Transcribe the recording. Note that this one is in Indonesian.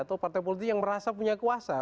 atau partai politik yang merasa punya kuasa